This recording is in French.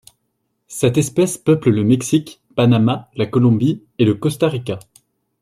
Cette espèce peuple le Mexique, Panama, la Colombie et le Costa Rica.